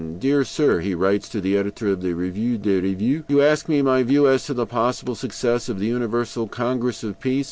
"Dear Sir [he writes to the editor of the REVUE DES REVUES]: You ask me my view as to the possible success of the Universal Congress of Peace.